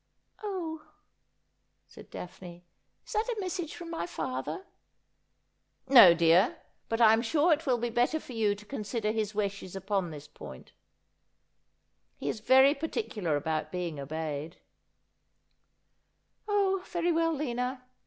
' Oh !' said Daphne. ' Is that a message from my father ?'' No, dear. But I am sure it will be better for ^ou to con sider his wi. hes upon this point, lie is very particular about being iibf yed '' Oh ! very well, Lina.